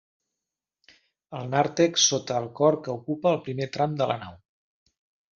El nàrtex sota el cor que ocupa el primer tram de la nau.